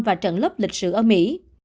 và trận lấp lịch sử ở mỹ